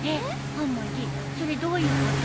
はまじそれどういうこと？